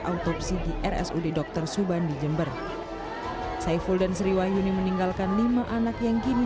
autopsi di rsud dokter subhan di jember saiful dan sri wahyuni meninggalkan lima anak yang